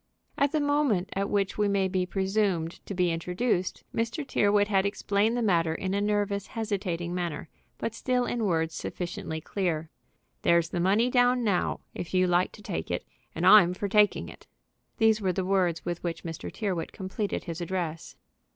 At the moment at which we may be presumed to be introduced, Mr. Tyrrwhit had explained the matter in a nervous, hesitating manner, but still in words sufficiently clear. "There's the money down now if you like to take it, and I'm for taking it." These were the words with which Mr. Tyrrwhit completed his address.